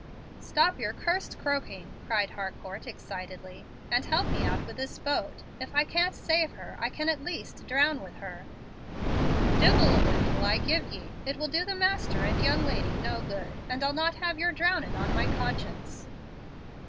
"Stop your cursed croaking," cried Harcourt, excitedly, "and help me out with this boat. If I can't save her, I can at least drown with her." "Divil a lift will I give ye. It will do the master and young lady no good, and I'll not have your drownding on my conscience."